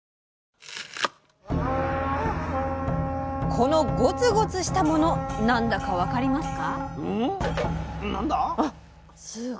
このごつごつしたもの何だか分かりますか？